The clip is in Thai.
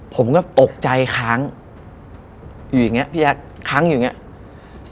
ผมก็ตกใจค้างอยู่อย่างนี้พี่ยักษ์ค้างอยู่อย่างนี้